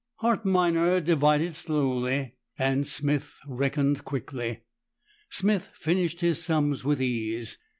Hart Minor divided slowly, and Smith reckoned quickly. Smith finished his sums with ease.